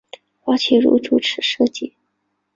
花琦如主持设计。